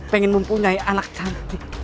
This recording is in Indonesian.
pengen mempunyai anak cantik